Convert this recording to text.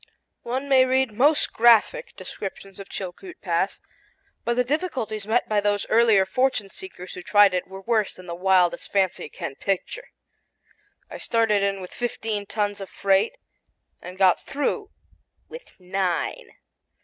One may read most graphic descriptions of Chilkoot Pass; but the difficulties met by those earlier fortune seekers who tried it were worse than the wildest fancy can picture. I started in with fifteen tons of freight and got through with nine.